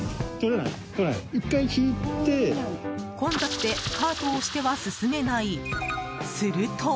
混雑でカートを押しては進めない。